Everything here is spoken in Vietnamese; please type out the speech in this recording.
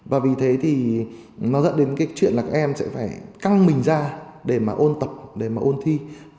và vì thế thì nó dẫn đến cái chuyện là các em sẽ phải căng mình ra để mà ôn tập để mà ôn thi